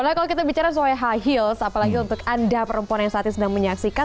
nah kalau kita bicara soal high heels apalagi untuk anda perempuan yang saat ini sedang menyaksikan